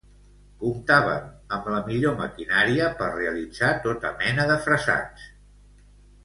Comptàvem amb la millor maquinària per realitzar tota mena de fresats.